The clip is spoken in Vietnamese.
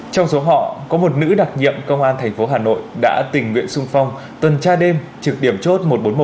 trong số họ có một nữ đặc nhiệm công an thành phố hà nội đã tình nguyện sung phong tuần tra đêm trực điểm chốt một trăm bốn mươi một